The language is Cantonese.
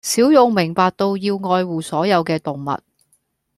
小勇明白到要愛護所有嘅動物